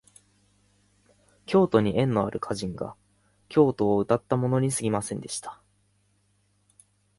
京都に縁のある歌人が京都をうたったものにすぎませんでした